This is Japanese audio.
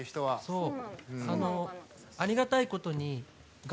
そう。